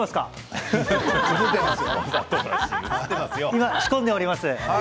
今、仕込んでおります。